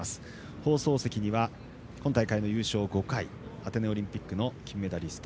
放送席には本大会の優勝５回アテネオリンピック金メダリスト